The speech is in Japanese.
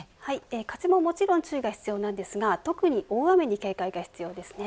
風ももちろん注意が必要ですが特に大雨に警戒が必要ですね。